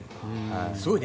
すごいよね。